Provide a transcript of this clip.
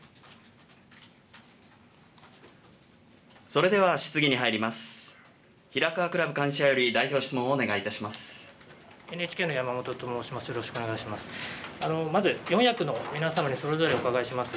それでは質疑に入ります。